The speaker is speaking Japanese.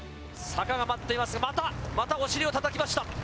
坂が待っています、また、またお尻を叩きました。